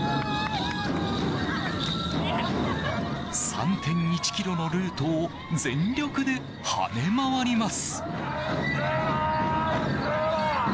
３．１ｋｍのルートを全力で跳ね回ります。